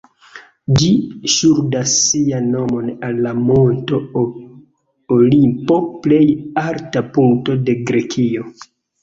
Ĝi ŝuldas sian nomon al la Monto Olimpo, plej alta punkto de Grekio.